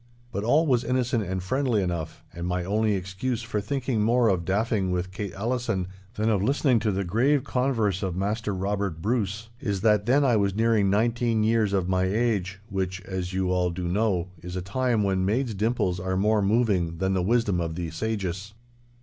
But all was innocent and friendly enough, and my only excuse for thinking more of daffing with Kate Allison than of listening to the grave converse of Maister Robert Bruce, is that then I was nearing nineteen years of my age—which, as you all do know, is a time when maids' dimples are more moving than the wisdom of the sages.